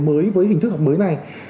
mới với hình thức học mới này